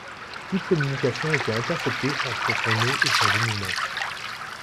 Toute communication était interceptée entre son nœud et son dénouement.